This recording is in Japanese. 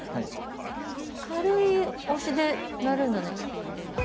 軽い押しで鳴るんだね。